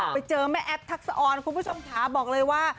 ไปเจอแม่แอฟทักษะออนคุณผู้ชมค่ะบอกเลยว่า